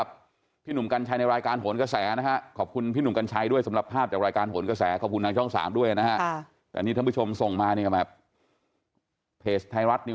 บางท่านพิมพ์มาบอกแม่